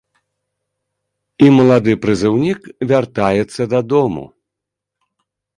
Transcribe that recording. І малады прызыўнік вяртаецца дадому.